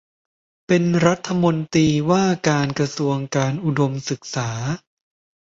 เป็นรัฐมนตรีว่าการกระทรวงการอุดมศึกษา